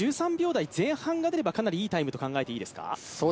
１３秒台前半が出ればかなりいいタイムと考えていいですか？